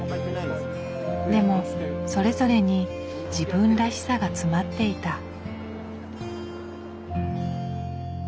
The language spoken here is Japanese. でもそれぞれに自分らしさが詰まっていた。